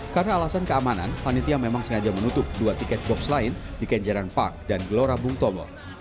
karena alasan keamanan panitia memang sengaja menutup dua tiket box lain di kenjaran park dan gelora bung tomo